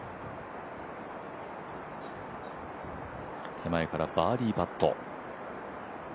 手前からバーディーパット。